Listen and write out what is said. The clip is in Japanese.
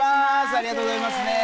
ありがとうございますね。